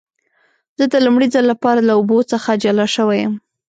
زه د لومړي ځل لپاره له اوبو څخه جلا شوی وم.